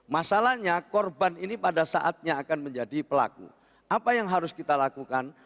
masalahnya korban ini pada saatnya akan menjadi pelaku apa yang harus kita lakukan